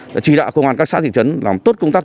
đã chỉ đạo công an các xã thị trấn làm tốt công tác